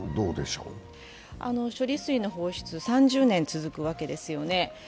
処理水の放出、３０年続くわけですよね。